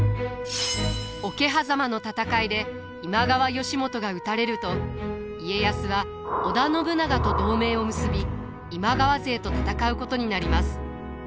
桶狭間の戦いで今川義元が討たれると家康は織田信長と同盟を結び今川勢と戦うことになります。